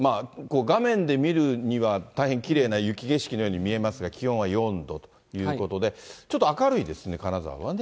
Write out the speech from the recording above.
画面で見るには大変きれいな雪景色のように見えますが、気温は４度ということで、ちょっと明るいですね、金沢はね。